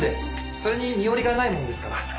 それに身寄りがないもんですから。